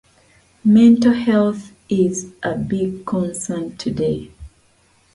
yanayoshindana na sukuma wiki kwa virutubisho